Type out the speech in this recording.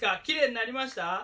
きれいになりました？